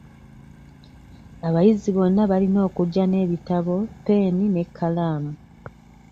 Abayizi bonna balina okujja n'ebitabo, ppeeni n'ekkalaamu.